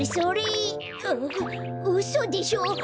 あっうそでしょ？